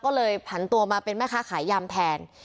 ก็เลยผันตัวมาเป็นแม่ค้าขายยำแทน